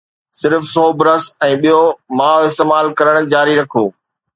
صرف سوپ، رس، ۽ ٻيون مائع استعمال ڪرڻ جاري رکو